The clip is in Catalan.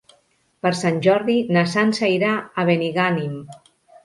Per Sant Jordi na Sança irà a Benigànim.